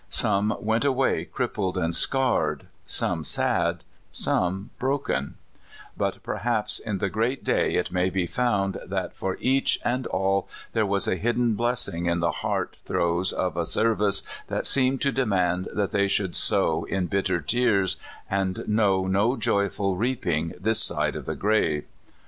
Some went away crippled and scarred, some sad, some broken ; but perhaps in the Great Day it may be found that for each and all there was a hidden blessing in the heart throes of a serv ice that seemed to demand that they should sow in bitter tears, and know no joyful reaping this side of the grave.